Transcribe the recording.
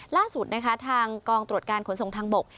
ล่าสุดนะคะทางกองตรวจการขนส่งทางบก